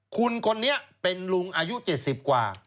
คุณคนนี้เป็นลุงอายุเจ็ดสิบกว่า